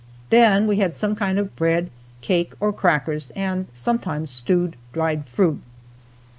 Then we had some kind of bread, cake or crackers, and sometimes stewed dried fruit.